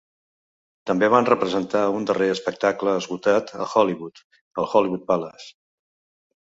També van representar un darrer espectacle esgotat a Hollywood al Hollywood Palace.